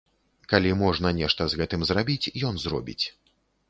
Калі можна нешта з гэтым зрабіць, ён зробіць.